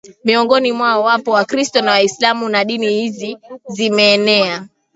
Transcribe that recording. Miongoni mwao wapo Wakristo na Waislamu na dini hizi zimeenea